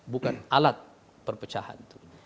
bukan alat perpecahan